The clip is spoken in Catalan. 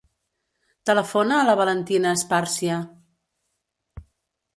Telefona a la Valentina Esparcia.